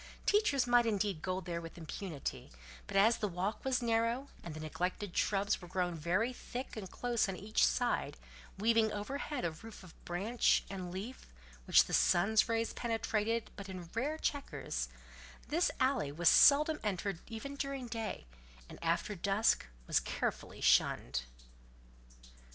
Teachers might indeed go there with impunity; but as the walk was narrow, and the neglected shrubs were grown very thick and close on each side, weaving overhead a roof of branch and leaf which the sun's rays penetrated but in rare chequers, this alley was seldom entered even during day, and after dusk was carefully shunned.